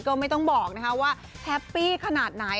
ก็ไม่ต้องบอกนะคะว่าแฮปปี้ขนาดไหน